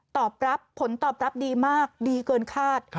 ตอบรับผลตอบรับดีมากดีเกินคาด